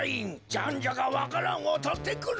ジャンジャカわか蘭をとってくるのじゃ！